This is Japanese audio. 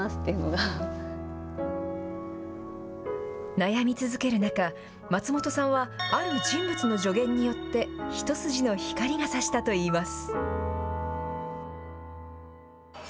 悩み続ける中、松本さんは、ある人物の助言によって、一筋の光がさしたといいます。